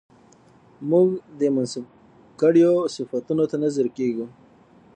موږ دې منسوب کړيو صفتونو ته نه ځير کېږو